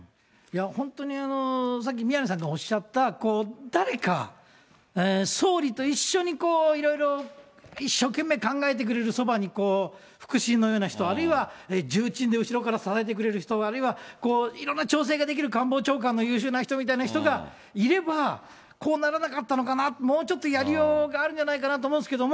本当にさっき宮根さんがおっしゃった、誰か総理と一緒にこう、いろいろ一生懸命考えてくれる、そばに腹心のような人、重鎮で後ろから支えてくれる人、あるいは、いろんな調整ができる官房長官の優秀な人みたいなのがいれば、こうならなかったのかな、もうちょっとやりようがあるんじゃないかなと思うんですけど。